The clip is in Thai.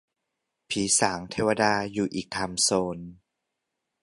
ผีสางเทวดาอยู่อีกไทม์โซน